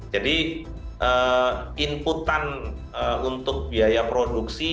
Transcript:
jadi inputan untuk biaya produksi